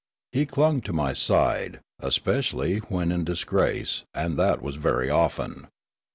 He clung to my side, especially when in dis grace, and that was very often.